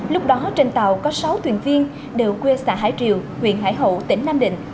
lúc đó trên tàu có sáu thuyền viên đều quê xã hải triều huyện hải hậu tỉnh nam định